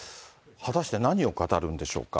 果たして何を語るんでしょうか。